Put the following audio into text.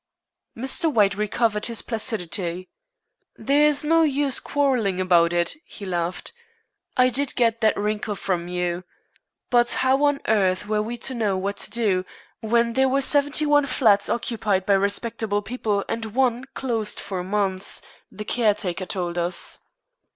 Mr. White recovered his placidity. "There's no use quarrelling about it," he laughed. "I did get that wrinkle from you. But how on earth were we to know what to do, when there were seventy one flats occupied by respectable people, and one closed for months, the caretaker told us."